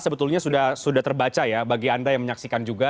sebetulnya sudah terbaca ya bagi anda yang menyaksikan juga